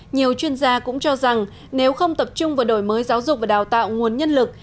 nhiều chuyên gia cũng cho rằng nếu không tập trung vào đổi mới giáo dục và đào tạo nguồn nhân lực